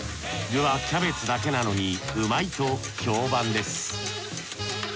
具はキャベツだけなのにうまいと評判です。